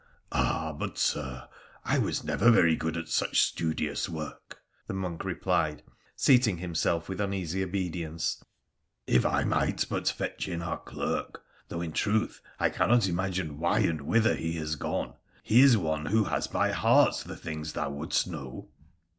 ' Ah, but, Sir, I was never very good at such studious work,' 120 WONDERFUL ADVENTURES OF the monk replied, seating himself with uneasy obedience :' if I might but fetch in our Clerk — though, in truth, I cannot imagine why and whither he has gone — he is one who has by heart the things thou wouldst know.'